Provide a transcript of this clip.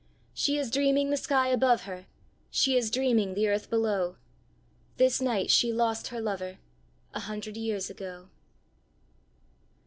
She is dreaming the sky above her, She is dreaming the earth below: This night she lost her lover, A hundred years ago.